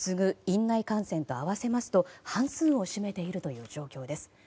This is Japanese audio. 院内感染と合わせますと半数を占めているという状況です。